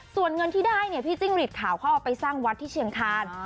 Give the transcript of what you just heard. ส่วนเงินที่ได้เนี่ยพี่จิ้งหลีดขาวเขาเอาไปสร้างวัดที่เชียงคาน